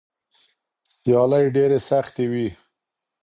سیالۍ ډېرې سختې وي.